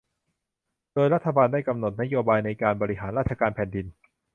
โดยรัฐบาลได้กำหนดนโยบายในการบริหารราชการแผ่นดิน